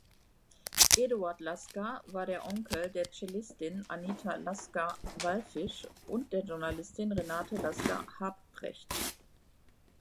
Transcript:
Eduard Lasker war der Onkel der Cellistin Anita Lasker-Wallfisch und der Journalistin Renate Lasker-Harpprecht.